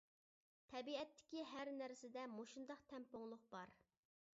تەبىئەتتىكى ھەر نەرسىدە مۇشۇنداق تەڭپۇڭلۇق بار.